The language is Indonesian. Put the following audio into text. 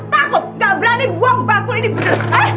takut gak berani buang bagul ini bener